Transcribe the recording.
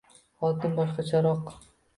Xotini boshqacharoq.